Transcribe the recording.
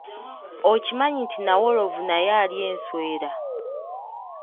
Okimanyi nti nnawolovu naye alya enswera?